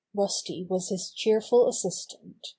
Rusty was his cheerful assistant.